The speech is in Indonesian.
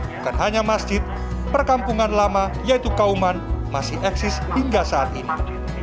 bukan hanya masjid perkampungan lama yaitu kauman masih eksis hingga saat ini